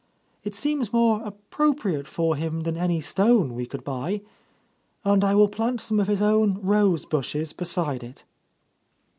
It seems more appropriate for him than any stone we could buy. And I will plant some of his own rose bushes beside it."